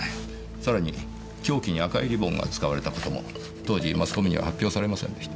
さらに凶器に赤いリボンが使われた事も当時マスコミには発表されませんでした。